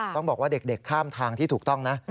ต้องบอกว่าเด็กข้ามทางที่ถูกต้องนะ